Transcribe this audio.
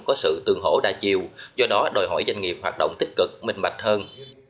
có sự tương hổ đa chiều do đó đòi hỏi doanh nghiệp hoạt động tích cực minh mạch hơn